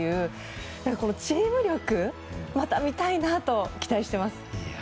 チーム力をまた見たいなと期待しています。